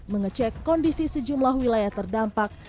mengecek kondisi sejumlah wilayah terdampak